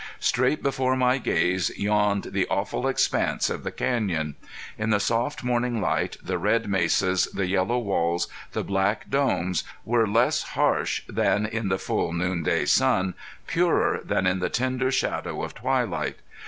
Straight before my gaze yawned the awful expanse of the canyon. In the soft morning light the red mesas, the yellow walls, the black domes were less harsh than in the full noonday sun, purer than in the tender shadow of twilight.